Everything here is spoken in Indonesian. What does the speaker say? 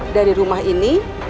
dari rumah ini